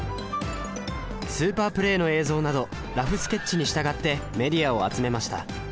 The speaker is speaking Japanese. スーパープレーの映像などラフスケッチに従ってメディアを集めました